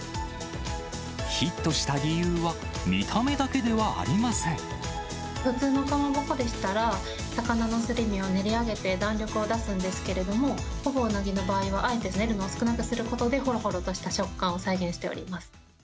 ヒットした理由は、普通のかまぼこでしたら、魚のすり身を練り上げて弾力を出すんですけれども、ほぼうなぎの場合は、あえて練るのを少なくすることで、ほろほろとした食感を再現しております。